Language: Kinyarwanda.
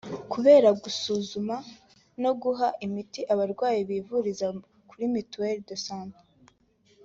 kubera gusuzuma no guha imiti abarwayi bivuriza kuri Mutuelle de Santé